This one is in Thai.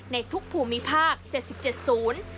ในทุกภูมิภาค๗๗ศูนย์